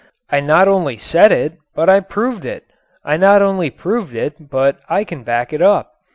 I not only said it, but I proved it. I not only proved it, but I can back it up.